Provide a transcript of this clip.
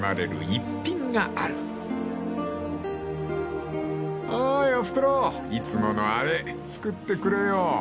いつものあれ作ってくれよ］